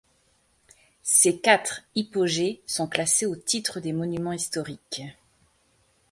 Ces quatre hypogées sont classés au titre des monuments historiques.